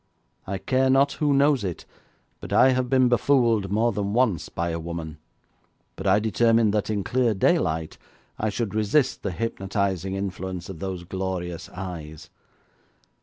I care not who knows it, but I have been befooled more than once by a woman, but I determined that in clear daylight I should resist the hypnotising influence of those glorious eyes.